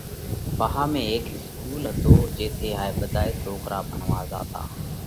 پاها ۾ هيڪ اِسڪُول هتو جيٿئہ هائي ٻڌائي سوڪرا ڀڻوا زاتا۔